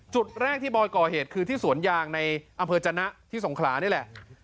จุดแรกที่บอยก่อเหตุคือที่สวนยางในอำเภอจนะที่สงขลานี่แหละ